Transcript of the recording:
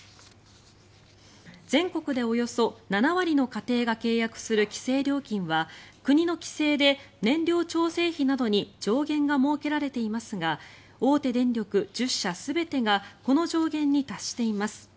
全国でおよそ７割の家庭が契約する規制料金は国の規制で燃料調整費などに上限が設けられていますが大手電力１０社全てがこの上限に達しています。